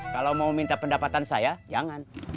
kalau mau minta pendapatan saya jangan